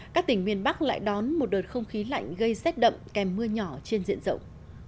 các tỉnh miền bắc lại đón một đợt không khí lạnh gây rét đậm kèm mưa nhỏ trên diện rộng